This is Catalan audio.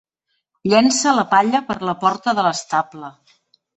Llença la palla per la porta de l'estable.